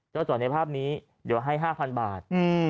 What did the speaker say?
เจ้าจ่อยในภาพนี้เดี๋ยวให้๕๐๐๐บาท